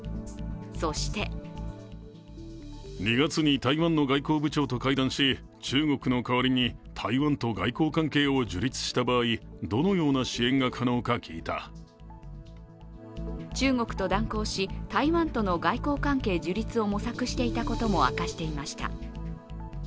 そして中国と断交し、台湾との外交関係樹立を模索していたことも明かしていました。